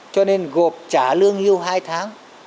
cho nên gộp trả lương yêu hai tháng